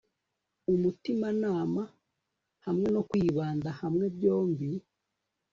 umutimanama hamwe no kwibanda hamwe byombi